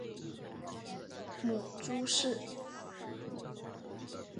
母朱氏。